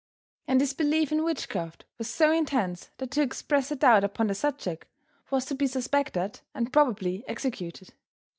And this belief in witchcraft was so intense that to express a doubt upon the subject was to be suspected and probably executed.